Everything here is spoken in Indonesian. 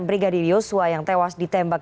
brigadir yosua yang tewas ditembak